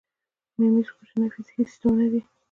میمز کوچني فزیکي سیسټمونه دي.